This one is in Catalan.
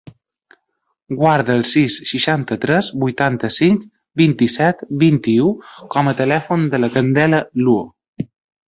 Guarda el sis, seixanta-tres, vuitanta-cinc, vint-i-set, vint-i-u com a telèfon de la Candela Luo.